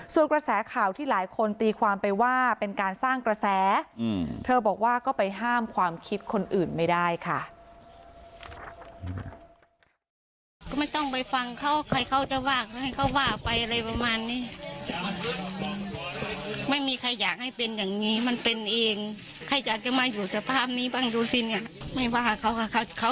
ส่วนกระแสข่าวที่หลายคนตีความไปว่าเป็นการสร้างกระแสเธอบอกว่าก็ไปห้ามความคิดคนอื่นไม่ได้ค่ะ